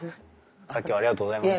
さっきはありがとうございました。